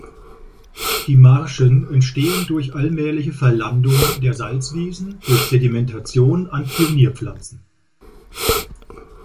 Die Marschen entstehen durch allmähliche Verlandung der Salzwiesen durch Sedimentation an Pionierpflanzen.